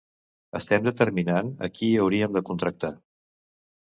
Estem determinant a qui hauríem de contractar.